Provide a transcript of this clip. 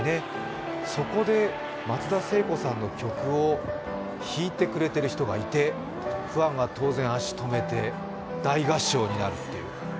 そこで松田聖子さんの曲を弾いてくれてる人がいて、ファンが当然、足を止めて大合唱になるという。